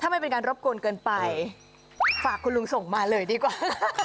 มันเป็นการรบกวนเกินไปฝากคุณลุงส่งมาเลยดีกว่า